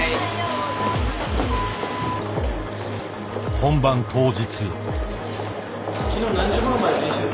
本番当日。